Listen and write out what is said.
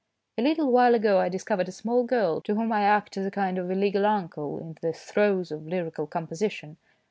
A little while ago I discovered a small girl, to whom I act as a kind of illegal uncle, in the throes of lyrical composition.